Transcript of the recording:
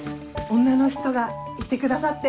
女の人がいてくださって。